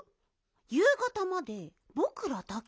ゆうがたまでぼくらだけ？